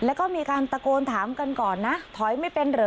แล้วก็มีการตะโกนถามกันก่อนนะถอยไม่เป็นเหรอ